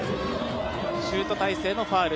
シュート体勢のファウル。